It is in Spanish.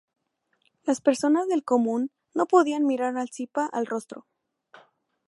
Las personas del común no podían mirar al Zipa al rostro.